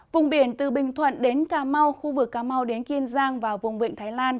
vùng biển từ bình thuận đến cà mau khu vực cà mau đến kiên giang và vùng vịnh thái lan